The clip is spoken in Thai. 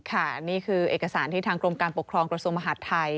ค่ะนี่คือเอกสารที่ทางกรมการปกครองกระทรวงมหาดไทย